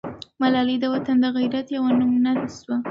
ملالۍ د وطن د غیرت یوه نمونه سوه.